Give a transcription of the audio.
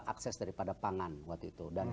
akses daripada pangan waktu itu